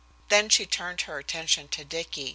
Then she turned her attention to Dicky.